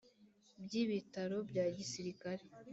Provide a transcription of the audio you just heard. By ibitaro bya gisirikare